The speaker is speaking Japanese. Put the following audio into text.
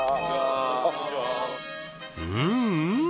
うんうん